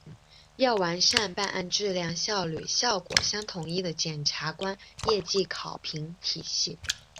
要完善办案质量、效率、效果相统一的检察官业绩考评体系